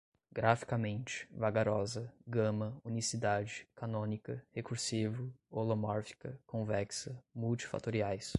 graficamente, vagarosa, gama, unicidade, canônica, recursivo, holomórfica, convexa, multifatoriais